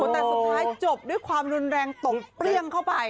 แต่สุดท้ายจบด้วยความรุนแรงตกเปรี้ยงเข้าไป